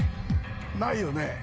「ない」よね？